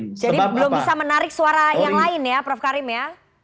jadi belum bisa menarik suara yang lain ya prof karim ya